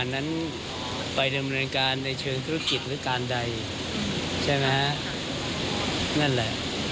นั่นแหละ